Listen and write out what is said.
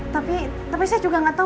tapi saya juga gak tau